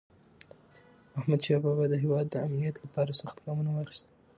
احمدشاه بابا د هیواد د امنیت لپاره سخت ګامونه واخیستل.